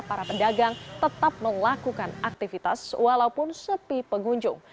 para pedagang tetap melakukan aktivitas walaupun sepi pengunjung